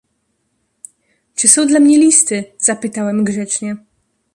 "Czy są dla mnie listy, zapytałem grzecznie."